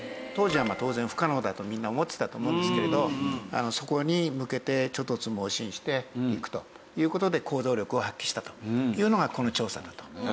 当時は当然不可能だとみんな思ってたと思うんですけれどそこに向けて猪突猛進していくという事で行動力を発揮したというのがこの調査だと。